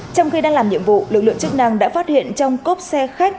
trong khi đang làm nhiệm vụ lực lượng chức năng đã phát hiện trong cốp xe khách